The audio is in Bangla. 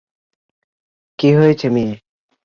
কি হয়েছে মেয়ে?